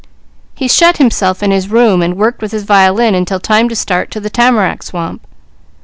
He shut himself in his room and worked with his violin until time to start to the tamarack swamp.